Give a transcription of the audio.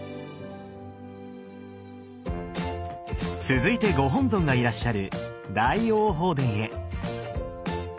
続いてご本尊がいらっしゃる大雄寶殿へ。